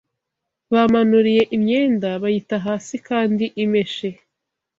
Bamanuriye imyenda bayita hasi kandi imeshe